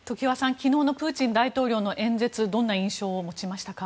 昨日のプーチン大統領の演説どういう印象を持ちましたか？